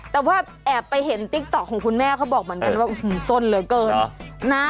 แต่ว่าแอบไปเห็นติ๊กต๊อกของคุณแม่เขาบอกเหมือนกันว่าสนเหลือเกินนะ